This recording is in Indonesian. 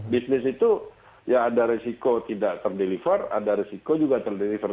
bisnis itu ya ada resiko tidak terdeliver ada resiko juga terdeliver